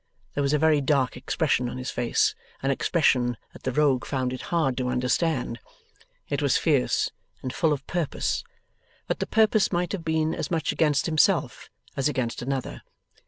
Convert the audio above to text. There was a very dark expression on his face; an expression that the Rogue found it hard to understand. It was fierce, and full of purpose; but the purpose might have been as much against himself as against another.